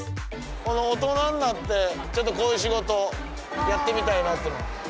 大人になってちょっとこういう仕事やってみたいなっていうのは？